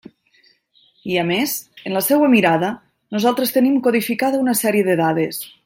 I a més, en la seua mirada, nosaltres tenim codificada una sèrie de dades.